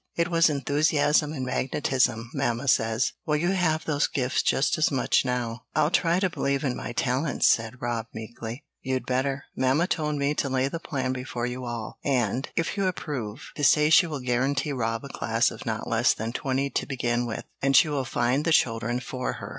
It was enthusiasm and magnetism, mamma says. Well, you have those gifts just as much now." "I'll try to believe in my talents," said Rob, meekly. "You'd better. Mamma told me to lay the plan before you all, and, if you approve, to say she will guarantee Rob a class of not less than twenty to begin with, and she will find the children for her.